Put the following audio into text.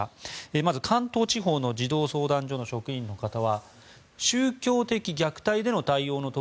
まず関東地方の児童相談所の職員の方は宗教的虐待での対応の時